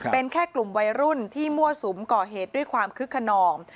เป็นแค่กลุ่มวัยรุ่นที่มั่วสุมก่อเหตุด้วยความคึกขนอง